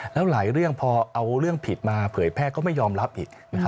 แล้วหลายเรื่องพอเอาเรื่องผิดมาเผยแพร่ก็ไม่ยอมรับอีก